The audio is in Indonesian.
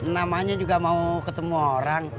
namanya juga mau ketemu orang